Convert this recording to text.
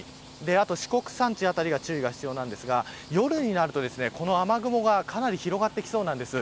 あと四国山地辺りが注意が必要ですが夜になると、この雨雲がかなり広がってきそうなんです。